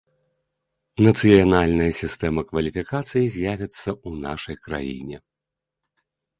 Нацыянальная сістэма кваліфікацыі з'явіцца ў нашай краіне.